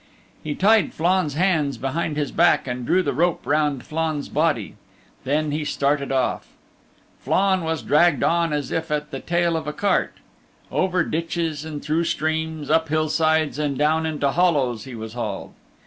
He tied Flann's hands behind his back and drew the rope round Flann's body. Then he started off. Flann was dragged on as if at the tail of a cart. Over ditches and through streams; up hillsides and down into hollows he was hauled.